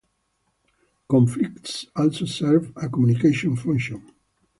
Conflicts also serve a communication function.